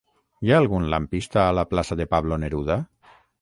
Hi ha algun lampista a la plaça de Pablo Neruda?